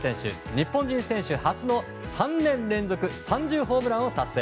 日本人選手初の３年連続３０ホームランを達成。